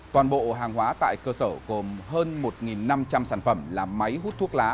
toàn bộ hàng hóa tại cơ sở gồm hơn một năm trăm linh sản phẩm là máy hút thuốc lá